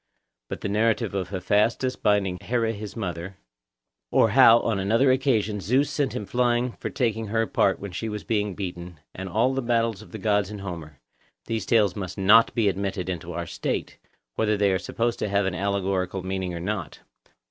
But the narrative of Hephaestus binding Here his mother, or how on another occasion Zeus sent him flying for taking her part when she was being beaten, and all the battles of the gods in Homer—these tales must not be admitted into our State, whether they are supposed to have an allegorical meaning or not.